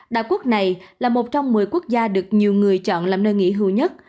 đa quốc này là một trong một mươi quốc gia được nhiều người chọn làm nơi nghỉ hưu nhất